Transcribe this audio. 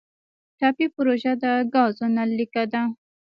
ټاپي پروژه د ګازو نل لیکه ده